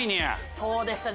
そうですね